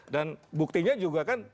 dan buktinya juga kan